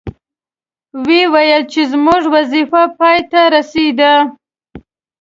وې ویل چې زموږ وظیفه پای ته ورسیده.